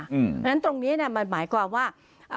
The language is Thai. เพราะฉะนั้นตรงนี้มันหมายความว่า